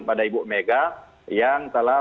pada ibu mega yang telah